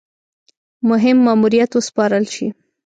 مهم ماموریت وسپارل شي.